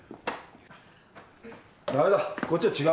ダメだこっちは違うな。